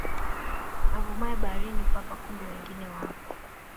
Avumaye baharini papa kumbe wengi wapo